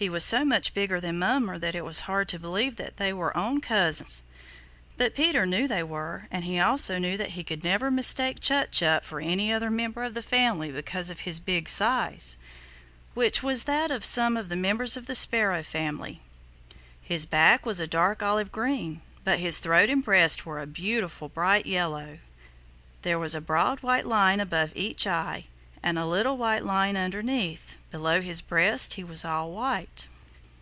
He was so much bigger than Mummer that it was hard to believe that they were own cousins. But Peter knew they were, and he also knew that he could never mistake Chut Chut for any other member of the family because of his big size, which was that of some of the members of the Sparrow family. His back was a dark olive green, but his throat and breast were a beautiful bright yellow. There was a broad white line above each eye and a little white line underneath. Below his breast he was all white.